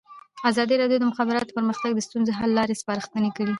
ازادي راډیو د د مخابراتو پرمختګ د ستونزو حل لارې سپارښتنې کړي.